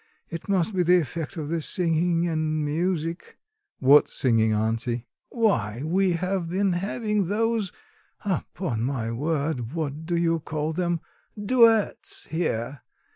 It must be the effect of the singing and music." "What singing, auntie?" "Why, we have been having those upon my word, what do you call them duets here.